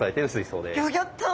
ギョギョッと！